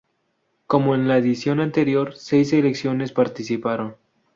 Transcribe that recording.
Como en la edición anterior, seis selecciones participaron.